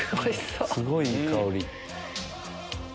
すごいいい香り！